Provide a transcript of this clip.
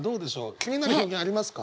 気になる表現ありますか？